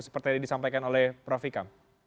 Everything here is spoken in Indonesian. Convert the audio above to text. seperti yang disampaikan oleh prof ikam